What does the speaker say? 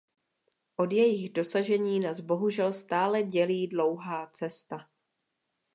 Od jejich dosažení nás bohužel stále dělí dlouhá cesta.